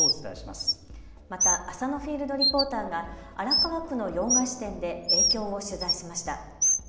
また浅野フィールドリポーターが荒川区の洋菓子店で影響を取材しました。